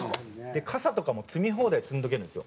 傘とかも積み放題積んでおけるんですよ。